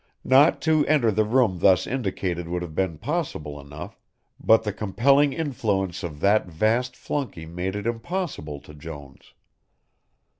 Not to enter the room thus indicated would have been possible enough, but the compelling influence of that vast flunkey made it impossible to Jones.